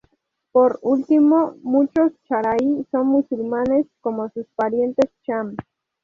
Por último, muchos charai son musulmanes como sus parientes cham.